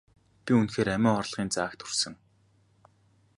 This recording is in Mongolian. Би үнэхээр амиа хорлохын заагт хүрсэн.